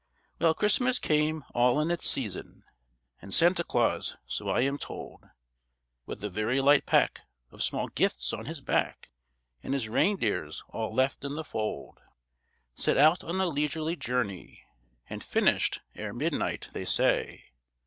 Well, Christmas came all in its season, And Santa Claus, so I am told, With a very light pack of small gifts on his back, And his reindeers all left in the fold, Set out on a leisurely journey, And finished ere midnight, they say.